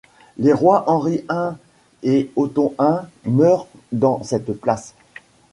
Les rois Henri I et Otton I meurent dans cette place.